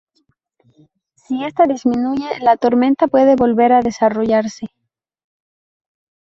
Si esta disminuye, la tormenta puede volver a desarrollarse.